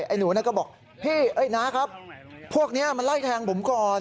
ไอ้หนูก็บอกพี่น้าครับพวกนี้มันไล่แทงผมก่อน